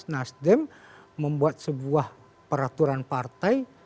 nasdem membuat sebuah peraturan partai